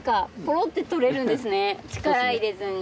力入れずに。